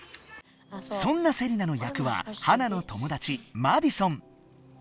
そんなセリナの役はハナのともだちマディソン。